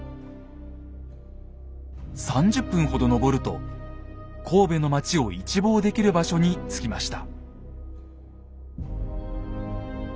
３０分ほど登ると神戸の街を一望できる場所に着きました。